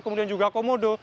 kemudian juga komodo